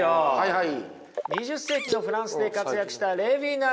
はい。